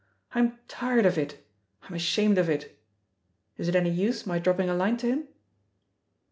I'm tired of it, I'm ashamed of it. ... Is it any use my drop ping a line to him?"